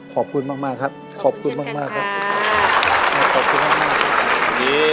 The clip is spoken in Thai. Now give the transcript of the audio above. ขอบคุณมากมากครับขอบคุณมากมากครับขอบคุณมากครับ